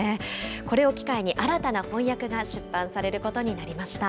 これを機会に、新たな翻訳が出版されることになりました。